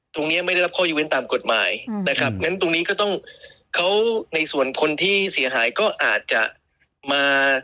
ตรงนี้ไม่ได้รับข้อยกเว้นตามกฎหมายนะครับงั้นตรงนี้ก็ต้องเขาในส่วนคนที่เสียหายก็อาจจะมา